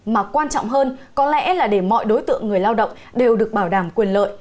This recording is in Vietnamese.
mà quan trọng hơn có lẽ là để mọi đối tượng người lao động đều được bảo đảm quyền lợi